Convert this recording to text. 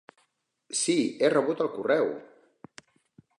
Sí, he rebut el correu!